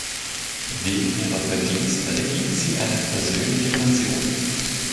Wegen ihrer Verdienste erhielt sie eine Persönliche Pension.